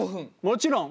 もちろん！